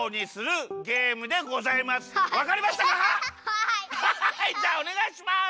はいじゃあおねがいします！